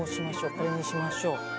これにしましょう。